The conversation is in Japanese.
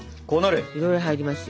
いろいろ入りますよ。